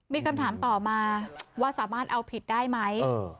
มีคำถามต่อมาว่าสามารถเอาผิดได้ไหม